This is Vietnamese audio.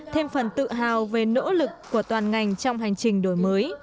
thêm phần tự hào về nỗ lực của toàn ngành trong hành trình đổi mới